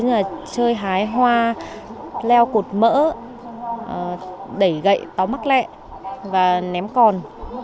như là chơi hái hoa leo cột mỡ đẩy gậy tó mắc lẹ và ném còn